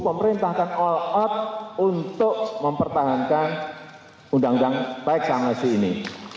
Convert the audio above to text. pemerintah akan all out untuk mempertahankan undang undang baik sama sini